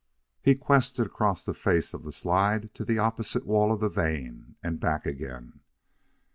He quested across the face of the slide to the opposite wall of the vein and back again.